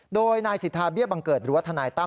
โดยนายสิทธาเบี้ยบังเกิดหรือว่าทนายตั้